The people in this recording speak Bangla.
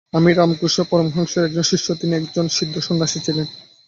আমি রামকৃষ্ণ পরমহংসের একজন শিষ্য, তিনি একজন সিদ্ধ সন্ন্যাসী ছিলেন।